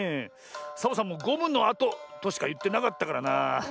サボさんも「ゴムのあと」としかいってなかったからな。